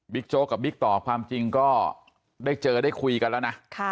โจ๊กกับบิ๊กต่อความจริงก็ได้เจอได้คุยกันแล้วนะ